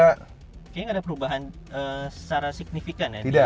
kayaknya nggak ada perubahan secara signifikan ya